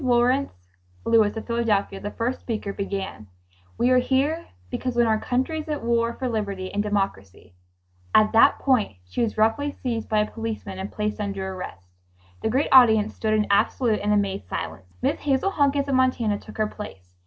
Lawrence Lewis of Philadelphia, the first speaker, began: "We are here because when our country is at war for liberty and democracy ..." At that point she was roughly seized by a policeman and placed under arrest. The great audience stood in absolute and amazed silence. Miss Hazel Hunkins of Montana took her place.